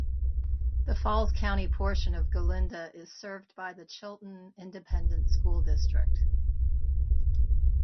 The Falls County portion of Golinda is served by the Chilton Independent School District.